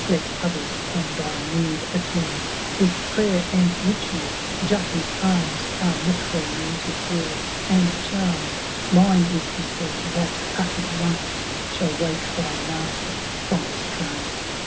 ^ Let others on thy mood attend With prayer and rituaL^utta's arms Are necromantic words and charms ; Mine is the spell, that, utter'd once. Shall wake Thy Master from his trance.